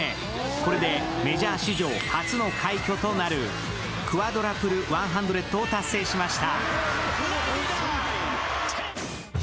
これでメジャー史上初の快挙となるクワドラプル１００を達成しました。